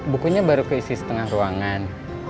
bukunya baru keisi setengah ruangan